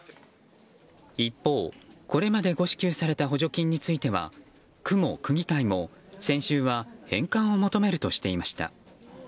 一方、これまで誤支給された補助金については区も区議会も、先週は返還を求めるとしていました。